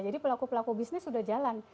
jadi pelaku pelaku bisnis sudah jalan